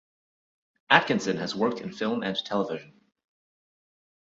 Atkinson has worked in film and television.